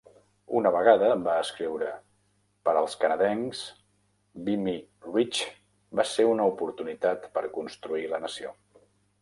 Una vegada va escriure: Per als canadencs, Vimy Ridge va ser una oportunitat per construir la nació.